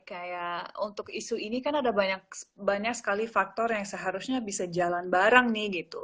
kayak untuk isu ini kan ada banyak sekali faktor yang seharusnya bisa jalan bareng nih gitu